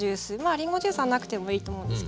りんごジュースはなくてもいいと思うんですけど。